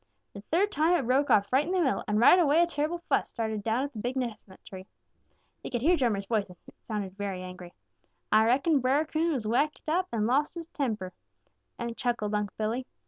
The third time it broke off right in the middle, and right away a terrible fuss started down at the big chestnut tree. They could hear Drummer's voice, and it sounded very angry. "Ah reckon Brer Coon was waked up and lost his temper," chuckled Unc' Billy.